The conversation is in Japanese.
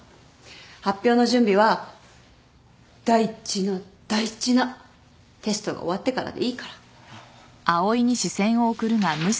発表の準備は大事な大事なテストが終わってからでいいから。